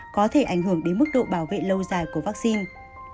có thể ảnh hưởng đến mức độ bảo vệ lâu dài của vaccine